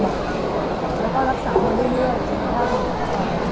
แล้วก็รักษาคนเรื่อยจากนั้นมาที่สุด